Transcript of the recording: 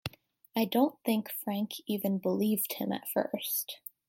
I don't think Frank even believed him at first.